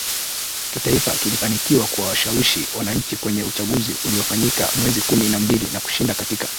kitaifa kilifanikiwa kuwashawishi wananchi kwenye uchaguzi uliofanyika mwezi kumi na mbili na kushinda katika